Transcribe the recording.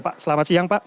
pak selamat siang pak